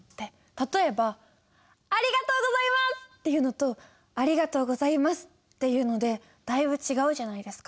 例えば「ありがとうございます！」って言うのと「ありがとうございます」って言うのでだいぶ違うじゃないですか。